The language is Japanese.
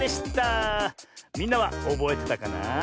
みんなはおぼえてたかな？